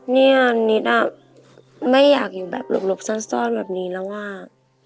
เนี่ยนิดอ่ะไม่อยากอยู่แบบหลบซ่อนแบบนี้แล้วว่า